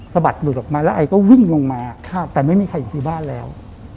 บัดหลุดออกมาแล้วไอก็วิ่งลงมาแต่ไม่มีใครอยู่ที่บ้านแล้ว